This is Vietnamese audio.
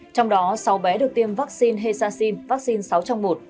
trong đó sáu bé được tiêm vaccine hexacin vaccine vaccine sáu trong một